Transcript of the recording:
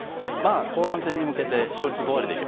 後半戦に向けて勝率５割になれば。